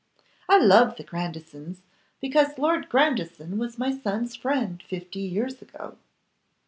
I love the Grandisons, because Lord Grandison was my son's friend fifty years ago.